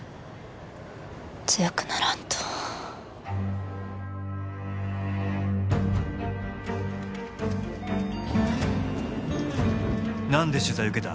強くならんと何で取材受けた？